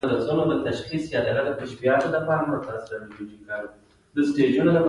لومړی یې له جاز موسيقۍ سره اروپايانې وهڅولې.